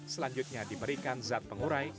selanjutnya diberikan zat pengurai